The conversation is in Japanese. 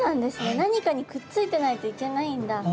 何かにくっついてないといけないんだ。